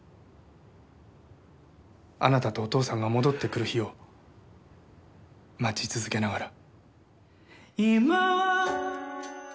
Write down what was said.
あなたとお父さんが戻って来る日を待ち続けながら。